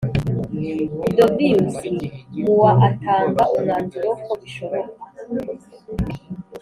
Gudovius mu wa atanga umwanzuro ko bishoboka